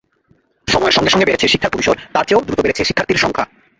সময়ের সঙ্গে সঙ্গে বেড়েছে শিক্ষার পরিসর, তারচেয়েও দ্রুত বেড়েছে শিক্ষার্থীর সংখ্যা।